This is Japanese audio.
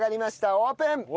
オープン！